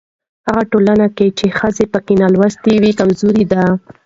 هغه ټولنه چې ښځې پکې نالوستې وي کمزورې ده.